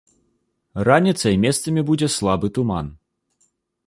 Раніцай месцамі будзе слабы туман.